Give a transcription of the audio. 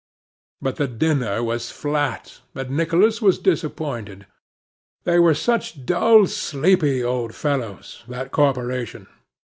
But the dinner was flat, and Nicholas was disappointed. They were such dull sleepy old fellows, that corporation.